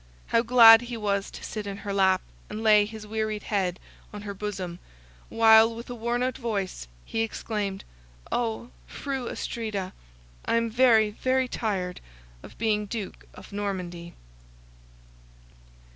How glad he was to sit in her lap, and lay his wearied head on her bosom, while, with a worn out voice, he exclaimed, "Oh, Fru Astrida! I am very, very tired of being Duke of Normandy!"